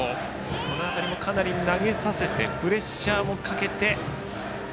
この辺りも、かなり投げさせてプレッシャーもかけて。